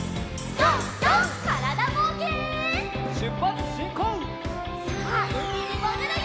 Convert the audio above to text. さあうみにもぐるよ！